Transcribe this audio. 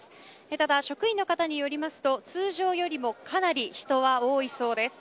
ただ、職員の方によりますと通常よりもかなり人は多いそうです。